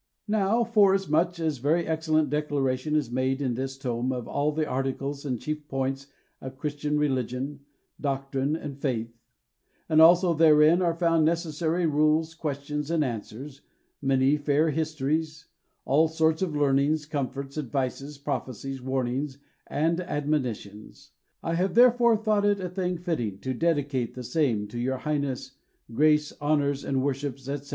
Now, forasmuch as very excellent declaration is made in this tome of all the Articles and chief points of Christian Religion, Doctrine, and Faith; and also therein are found necessary Rules, Questions and Answers, many fair Histories, all sorts of Learnings, Comforts, Advices, Prophecies, Warnings, and Admonitions: I have therefore thought it a thing fitting to dedicate the same to your Highnesses, Graces, Honours and Worships, etc.